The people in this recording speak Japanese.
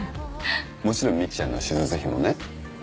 もちろん未希ちゃんの手術費もね。